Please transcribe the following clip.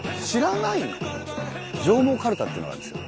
上毛かるたっていうのがあるんですよ